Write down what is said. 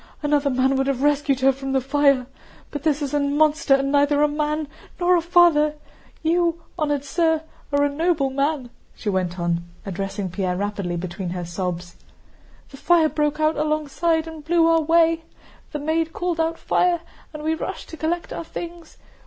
Another man would have rescued her from the fire. But this is a monster and neither a man nor a father! You, honored sir, are a noble man," she went on, addressing Pierre rapidly between her sobs. "The fire broke out alongside, and blew our way, the maid called out 'Fire!' and we rushed to collect our things.